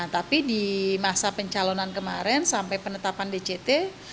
tapi di masa pencalonan kemarin sampai penetapan dct